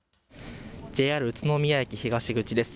ＪＲ宇都宮駅東口です。